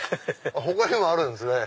他にもあるんすね。